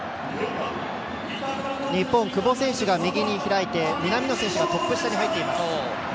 日本は久保選手が右に開いて南野選手がトップ下です。